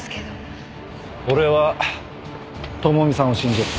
俺は朋美さんを信じる。